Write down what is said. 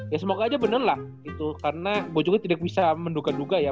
ya semoga aja bener lah gitu karena bojongnya tidak bisa menduga duga ya